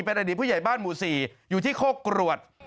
เป็นอดีตผู้ใหญ่บ้านหมู่๔อยู่ที่โคกรวด